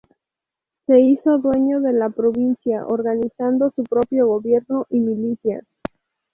Se hizo dueño de la provincia, organizando su propio gobierno y milicias.